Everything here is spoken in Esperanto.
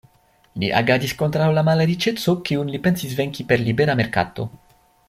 Li agadis kontraŭ la malriĉeco, kiun li pensis venki per libera merkato.